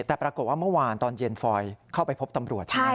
แต่ปรากฏว่าเมื่อวานตอนเย็นฟอยเข้าไปพบตำรวจ